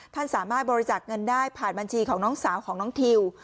ท่านสามารถบริจาคเงินได้ผ่านบัญชีของน้องสาวของน้องทิว